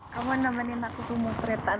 kamu nemenin aku ke mufretan